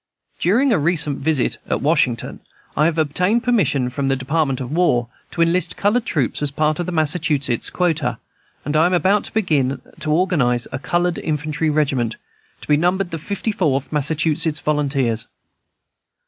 During a recent visit at Washington I have obtained permission from the Department of War to enlist colored troops as part of the Massachusetts quota, and I am about to begin to organize a colored infantry regiment, to be numbered the "54th Massachusetts Volunteers."